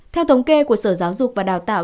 theo thống kê của sở giáo dục và đào tạo